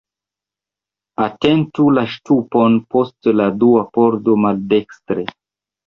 Atentu la ŝtupon post la dua pordo maldekstre.